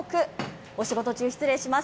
お仕事中、失礼します。